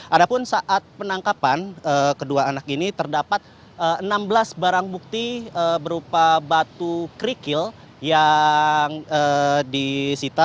ada pun saat penangkapan kedua anak ini terdapat enam belas barang bukti berupa batu kerikil yang disita